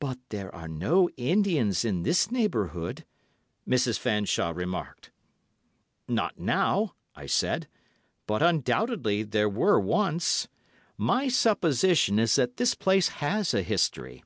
"But there are no Indians in this neighbourhood," Mrs. Fanshawe remarked. "Not now," I said, "but undoubtedly there were once. My supposition is that this place has a history.